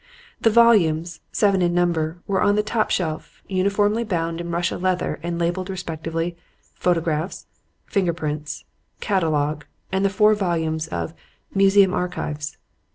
The volumes, seven in number, were on the top shelf, uniformly bound in Russia leather and labeled, respectively, "Photographs," "Finger prints," "Catalogue," and four volumes of "Museum Archives."